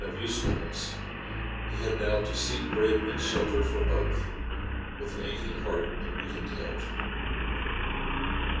61 of usefulness, he had now to seek bread and shelter for both, with an aching heart and weakened health.